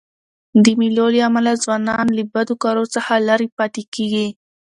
د مېلو له امله ځوانان له بدو کارو څخه ليري پاته کېږي.